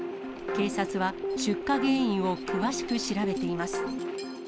警察は、出火原因を詳しく調べています。